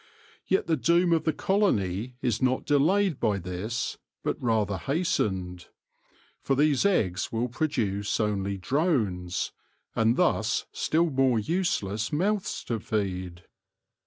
Yet the doom of the colony is not delayed by this, but rather hastened ; for these eggs will produce only drones, and thus still more useless mouths to feed.